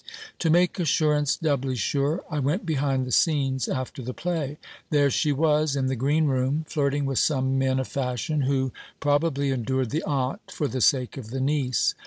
To make assurance doubly sure, I went behind the scenes after the play. There she was, in the green room, flirting with some men of fashion, who pro bably endured the aunt for the sake of the niece.